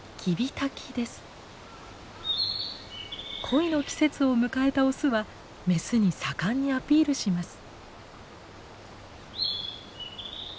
恋の季節を迎えたオスはメスに盛んにアピールします。